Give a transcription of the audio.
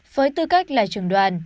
với tư cách là trường đoàn